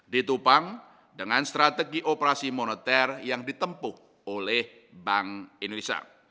ditupang dengan strategi operasi moneter yang ditempuh oleh bank indonesia